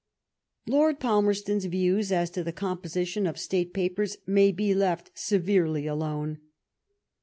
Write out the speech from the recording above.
Lord Palmerston's views as to the composition of State Papers may be left severely alone.